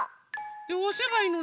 でおせばいいのね？